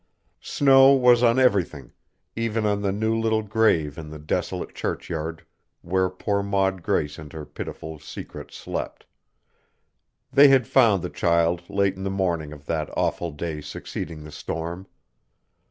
Snow was on everything, even on the new little grave in the desolate churchyard where poor Maud Grace and her pitiful secret slept. They had found the child late in the morning of that awful day succeeding the storm.